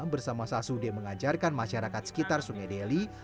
bersama sasude mengajarkan masyarakat sekitar sungai deli